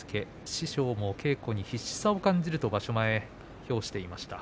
師匠も稽古に必死さを感じると場所前、話していました。